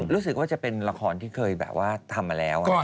รู้สึกว่าจะเป็นละครที่เคยแบบว่าทำมาแล้ว